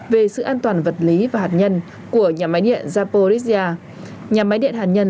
về sự an toàn vật lý và hạt nhân của nhà máy điện zaporizia nhà máy điện hạt nhân